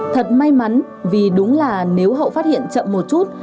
thật may mắn vì đúng là nếu hậu phát hiện chậm một chút